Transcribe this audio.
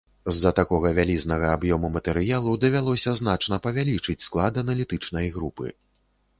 З-за такога вялізнага аб'ёму матэрыялу давялося значна павялічыць склад аналітычнай групы.